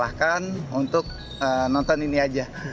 bahkan untuk nonton ini aja